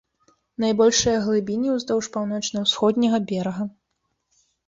Найбольшыя глыбіні ўздоўж паўночна-усходняга берага.